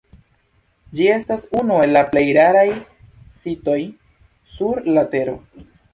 Ĝi estas unu el la plej raraj sitoj sur la tero.